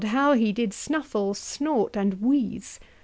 how he did snuffle, snort, and wheeze!